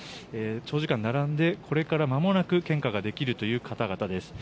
長時間並んで、これからまもなく献花ができるという方々です。